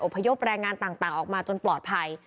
พยพแรงงานต่างออกมาจนปลอดภัย